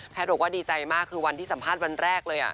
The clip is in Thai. บอกว่าดีใจมากคือวันที่สัมภาษณ์วันแรกเลย